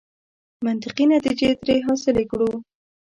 منطقي نتیجې ترې حاصلې کړو.